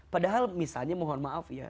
padahal misalnya mohon maaf ya